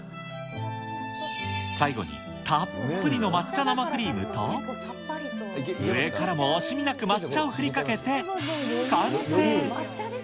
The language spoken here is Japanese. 最後にたっぷりの抹茶生クリームと、上からも惜しみなく抹茶を振りかけて、完成。